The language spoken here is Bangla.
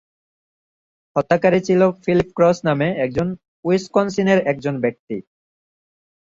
হত্যাকারী ছিল ফিলিপ ক্রস নামে একজন উইসকনসিনের একজন ব্যক্তি।